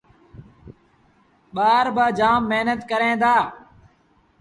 ٻآر با جآم مهنت ڪريݩ دآ۔